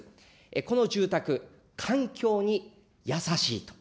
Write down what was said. この住宅、環境に優しいと。